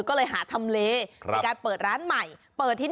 ส่วนเมนูที่ว่าคืออะไรติดตามในช่วงตลอดกิน